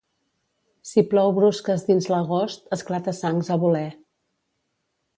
Si plou brusques dins l'agost, esclata-sangs a voler.